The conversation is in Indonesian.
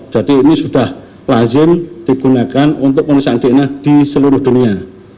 jadi ini sudah pelajin digunakan untuk pemeriksaan dna diseluruh dunia